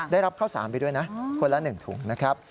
ได้รับข้าวสารไปด้วยนะคนละ๑ถุงนะครับ